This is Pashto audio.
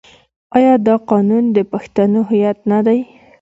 آیا دا قانون د پښتنو هویت نه دی؟